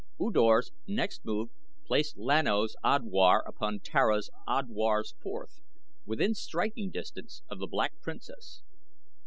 U Dor's next move placed Lan O's Odwar upon Tara's Odwar's fourth within striking distance of the Black Princess.